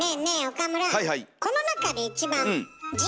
岡村。